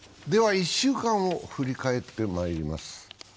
では一週間を振り返ってまいります。